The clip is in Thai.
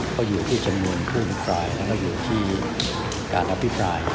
เขาอยู่ที่จำนวนครุ่มปลายแล้วก็อยู่ที่การอภิปราย